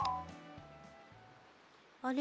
あれ？